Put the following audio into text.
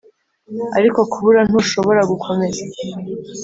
ariko kubura ntushobora gukomeza.